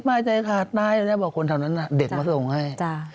ป้าใจขาดตายแล้วบอกคนเท่านั้นเด็กมาส่งให้